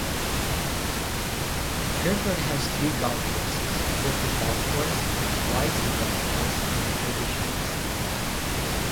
Pyrford has three golf courses: Pyrford Golf Course, Wisley Golf Course and Traditions.